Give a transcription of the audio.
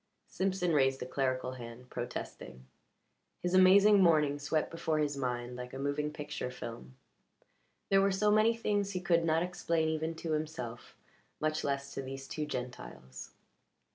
Simpson raised a clerical hand, protesting. His amazing morning swept before his mind like a moving picture film; there were so many things he could not explain even to himself, much less to these two Gentiles.